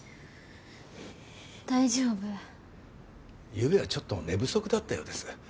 ゆうべはちょっと寝不足だったようです。